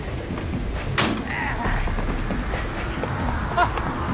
あっ！